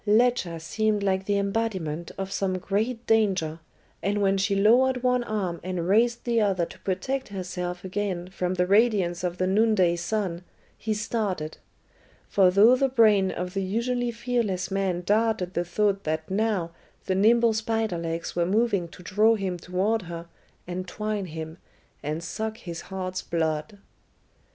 Ledscha seemed like the embodiment of some great danger, and when she lowered one arm and raised the other to protect herself again from the radiance of the noonday sun, he started; for through the brain of the usually fearless man darted the thought that now the nimble spider legs were moving to draw him toward her, entwine him, and suck his heart's blood.